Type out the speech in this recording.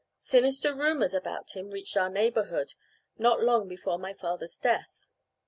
Sinister rumours about him reached our neighbourhood, not long before my father's death.